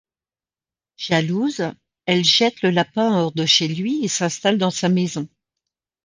Jalouse, elle jette le lapin hors de chez lui et s'installe dans sa maison.